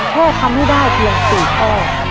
เพื่อทำให้ได้เพียงสูงออก